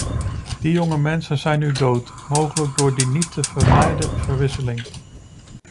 Die jonge mensen zijn nu dood, mogelijk door die niet te vermijden verwisseling.